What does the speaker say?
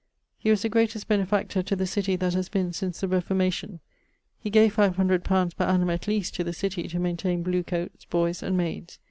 ] He was the greatest benefactor to the city that haz been since the Reformacion. He gave 500 li. per annum at least to the city to maintain ... blew coates, boies and maydes.